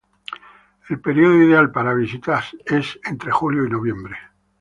El período ideal para visitas es entre julio y noviembre.